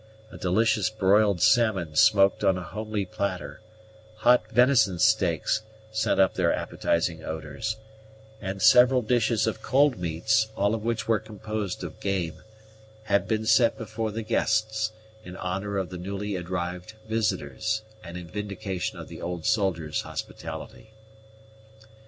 A delicious broiled salmon smoked on a homely platter, hot venison steaks sent up their appetizing odors, and several dishes of cold meats, all of which were composed of game, had been set before the guests, in honor of the newly arrived visitors, and in vindication of the old soldier's hospitality.